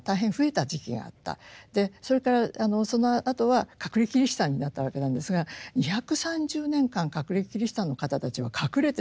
それからそのあとは隠れキリシタンになったわけなんですが２３０年間隠れキリシタンの方たちは隠れてたんですね。